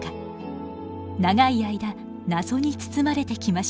長い間謎に包まれてきました。